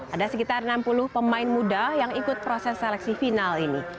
ada sekitar enam puluh pemain muda yang ikut proses seleksi final ini